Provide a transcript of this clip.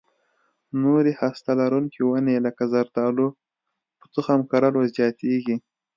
نورې هسته لرونکې ونې لکه زردالو په تخم کرلو زیاتېږي.